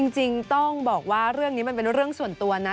จริงต้องบอกว่าเรื่องนี้มันเป็นเรื่องส่วนตัวนะ